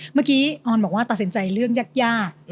เมื่อกี้ออนบอกว่าตัดสินใจเรื่องยาก